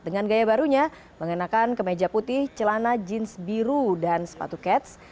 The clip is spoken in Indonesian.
dengan gaya barunya mengenakan kemeja putih celana jeans biru dan sepatu cats